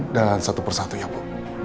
dan satu persatu ya bu